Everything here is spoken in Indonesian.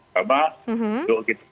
sama juga kita